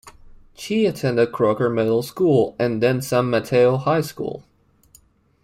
She attended Crocker Middle School and then San Mateo High School.